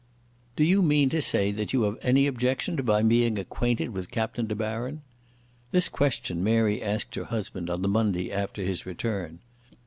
"Do you mean to say that you have any objection to my being acquainted with Captain De Baron?" This question Mary asked her husband on the Monday after his return.